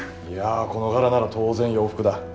いやこの柄なら当然洋服だ。